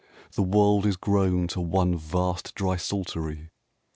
The world is grown to one vast drysaltery!